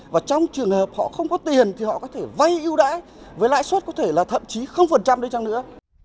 và trong trường hợp họ không có tiền thì họ có thể vay yêu đãi với lãi suất có thể là thậm chí đây chăng nữa